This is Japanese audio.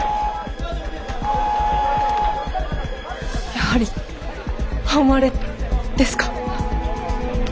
やはり半割れですか？